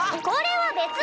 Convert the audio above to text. これは別！